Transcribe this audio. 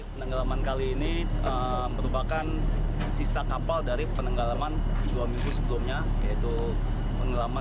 penenggelaman kali ini merupakan sisa kapal dari penenggelaman dua minggu sebelumnya yaitu penenggelaman